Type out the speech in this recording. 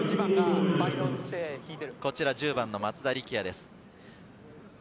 １０番の松田力也です。